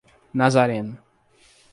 Nazareno